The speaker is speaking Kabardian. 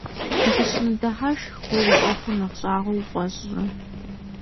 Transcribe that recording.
Укъысщымыдыхьашх, уэ уи ӏуэхур нэхъ щӏагъуэ уфӏэщӏрэ?